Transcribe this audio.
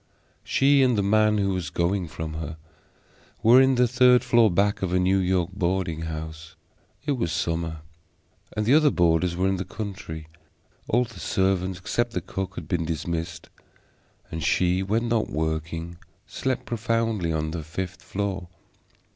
She and the man who was going from her were in the third floor back of a New York boarding house. It was summer, and the other boarders were in the country; all the servants except the cook had been dismissed, and she, when not working, slept profoundly on the fifth floor.